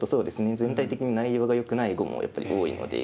全体的に内容がよくない碁もやっぱり多いので。